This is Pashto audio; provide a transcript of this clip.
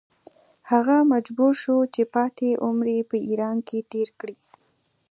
هغه مجبور شو چې پاتې عمر په ایران کې تېر کړي.